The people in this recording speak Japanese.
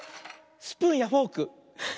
スプーンやフォーク。